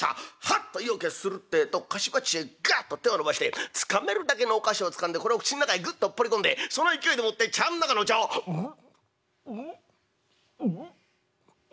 ハッと意を決するってえと菓子鉢へガッと手を伸ばしてつかめるだけのお菓子をつかんでこれを口ん中へグッとおっぽり込んでその勢いでもって茶わん中のお茶を「ぐっうっうっ」。